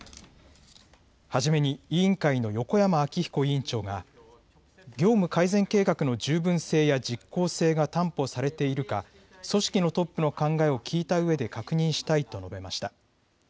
初めに委員会の横山明彦委員長が業務改善計画の十分性や実効性が担保されているか組織のトップの考えを聞いたうえで確認したいと述べました。